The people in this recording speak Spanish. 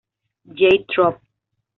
J. Trop.